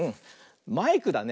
マイクだね。